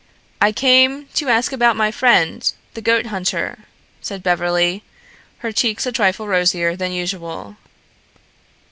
"I came to ask about my friend, the goat hunter," said Beverly, her cheeks a trifle rosier than usual.